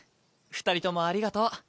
二人ともありがとう。